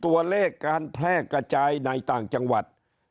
ตัวเลขการแพร่กระจายในต่างจังหวัดมีอัตราที่สูงขึ้น